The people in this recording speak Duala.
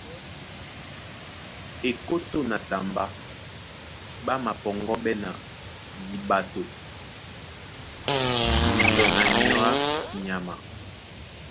Ekótó na tambá ɓá mapɔŋgɔ́ɓɛ́ na diɓato tɔ na nyɔ̌ á nyama.